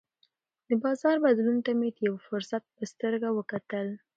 د بازار بدلون ته مې د یوه فرصت په سترګه وکتل.